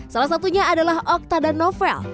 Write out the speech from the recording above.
salah satunya adalah okta dan novel